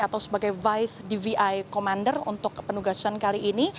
atau sebagai vice dvi commander untuk penugasan kali ini